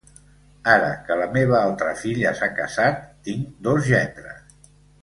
Ara que la meva altra filla s'ha casat, tinc dos gendres.